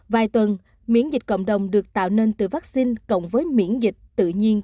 vài tuần miễn dịch cộng đồng được tạo nên từ vaccine cộng với miễn dịch tự nhiên